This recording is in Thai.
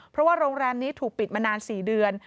เพราะว่าโรงแรมนี้ถูกปิดมานาน๔เดือน